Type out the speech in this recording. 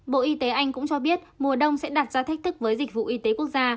bộ y tế anh cũng cho biết mùa đông sẽ đặt ra thách thức với dịch vụ y tế quốc gia